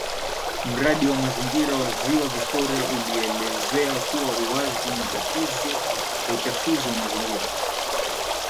Mradi wa Mazingira wa Ziwa Victoria ulielezea kwa uwazi matatizo ya uchafuzi wa mazingira